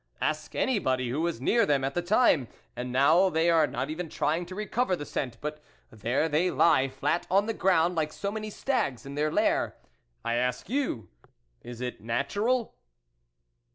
Ask anybody who was near them at the time. And now they are not even trying to recover the scent, but there they lie flat on the ground like so many stags in their lair. I ask you, is it natural